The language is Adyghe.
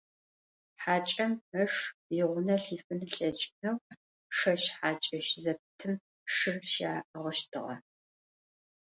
Хьакӏэм ыш игъунэ лъифын ылъэкӏынэу шэщ-хьакӏэщ зэпытым шыр щаӏыгъыщтыгъэ.